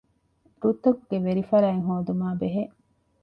ރުއްތަކުގެ ވެރިފަރާތް ހޯދުމާބެހޭ